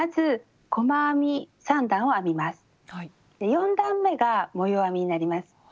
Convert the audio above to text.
４段めが模様編みになります。